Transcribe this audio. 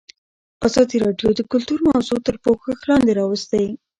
ازادي راډیو د کلتور موضوع تر پوښښ لاندې راوستې.